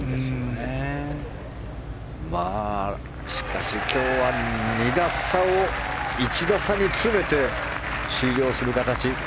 しかし、今日は２打差を１打差に詰めて終了する形。